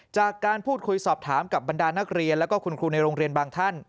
จากการพูดคุยสอบถามกับบรรดานักเรียนแล้วก็คุณครูในโรงเรียนบางท่าน